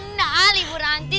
emang gak kena ibu ranti